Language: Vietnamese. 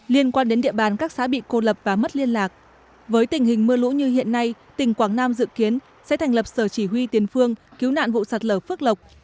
liên quan đến địa bàn các xã bị cô lập và mất liên lạc với tình hình mưa lũ như hiện nay tỉnh quảng nam dự kiến sẽ thành lập sở chỉ huy tiền phương cứu nạn vụ sạt lở phước lộc